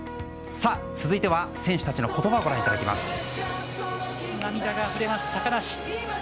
続いては選手たちの言葉をご覧いただきます。